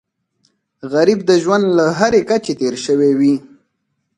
غریب د ژوند له هرې کچې تېر شوی وي